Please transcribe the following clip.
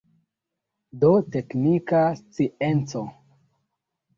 Do, teknika scienco.